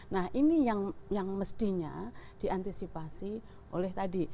nah ini yang mestinya diantisipasi oleh tadi